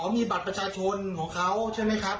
มีบัตรประชาชนของเขาใช่ไหมครับ